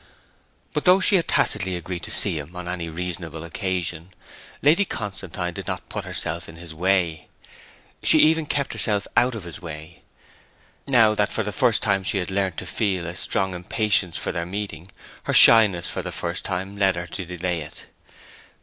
But though she had tacitly agreed to see him on any reasonable occasion, Lady Constantine did not put herself in his way. She even kept herself out of his way. Now that for the first time he had learnt to feel a strong impatience for their meeting, her shyness for the first time led her to delay it.